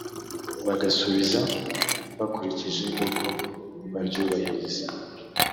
bagasubiza bakurikije uko baryubahiriza